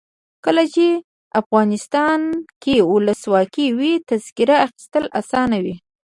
کله چې افغانستان کې ولسواکي وي تذکره اخیستل اسانه وي.